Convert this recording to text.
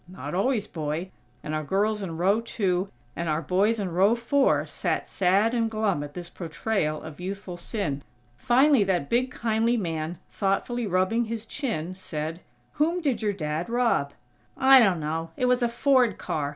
"Not always, boy," and our girls in row two and our boys in row four sat sad and glum at this portrayal of youthful sin. Finally that big kindly man, thoughtfully rubbing his chin, said: "Whom did your Dad rob?" "I dunno. It was a Ford car.